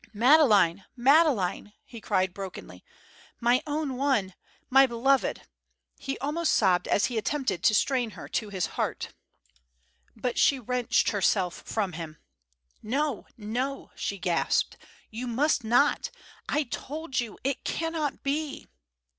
"Madeleine! Madeleine!" he cried brokenly. "My own one! My beloved!" He almost sobbed as he attempted to strain her to his heart. But she wrenched herself from him. "No, no!" she gasped. "You must not! I told you. It cannot be."